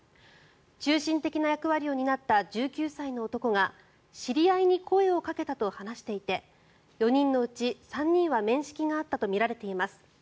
中心的な役割を担った１９歳の男が知り合いに声をかけたと話していて４人のうち３人は面識があったとみられています。